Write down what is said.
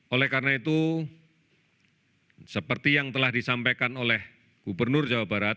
oleh karena itu seperti yang telah disampaikan oleh gubernur jawa barat